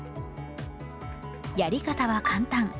やり方は簡単。